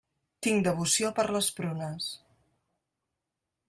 Tinc devoció per les prunes.